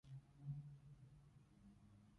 話時話你報咗稅未